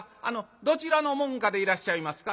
どちらの門下でいらっしゃいますか？」。